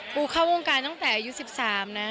ปูเข้าวงการตั้งแต่อายุ๑๓นะ